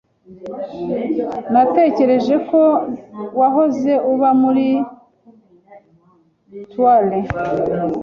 Natekereje ko wahoze uba muri trailer.